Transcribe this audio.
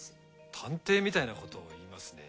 探偵みたいなことを言いますね。